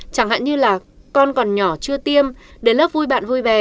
chẳng hạn như là con còn nhỏ chưa tiêm đến lớp vui bạn vui vẻ